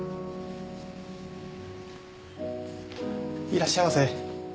いらっしゃいませ。